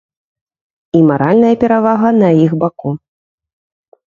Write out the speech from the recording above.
І маральная перавага на іх баку.